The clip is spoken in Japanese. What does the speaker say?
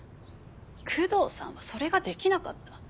久遠さんはそれができなかった。